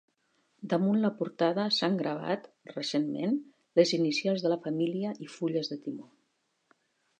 Damunt la portada s'han gravat, recentment, les inicials de la família i fulles de timó.